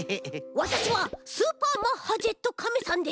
わたしはスーパーマッハジェットカメさんです。